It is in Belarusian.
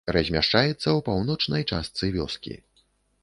Размяшчаецца ў паўночнай частцы вёскі.